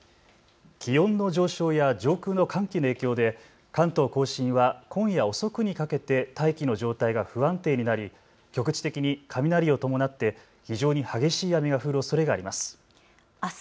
気温の上昇や上空の寒気の影響で関東甲信は今夜遅くにかけて大気の状態が不安定になり局地的に雷を伴って非常に激しい雨が降るおそれがあります。